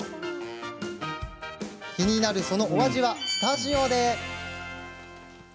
気になるそのお味はスタジオで。